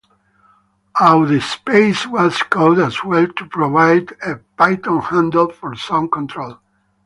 Audaspace was coded as well to provide a Python handle for sound control.